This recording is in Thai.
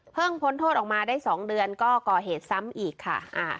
พ้นโทษออกมาได้๒เดือนก็ก่อเหตุซ้ำอีกค่ะ